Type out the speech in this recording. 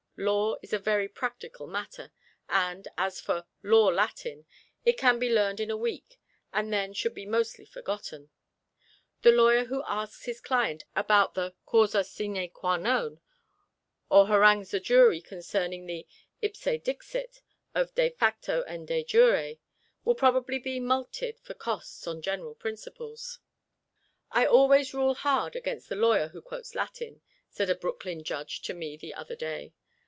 Law is a very practical matter, and as for "Law Latin," it can be learned in a week and then should be mostly forgotten. The lawyer who asks his client about the "causa sine qua non," or harangues the jury concerning the "ipse dixit" of "de facto" and "de jure," will probably be mulcted for costs on general principles. "I always rule hard against the lawyer who quotes Latin," said a Brooklyn judge to me the other day.